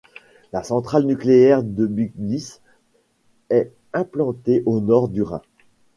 La centrale nucléaire de Biblis est implantée au bord du Rhin.